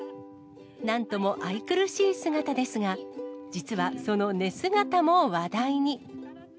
なんとも愛くるしい姿ですが、実はその寝姿も話題に。